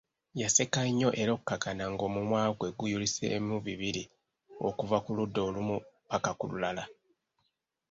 Yaseka nnyo era okukkakkana ng'omumwa gwe guyuliseemu bibiri okuva ku ludda olumu ppaka ku lulala!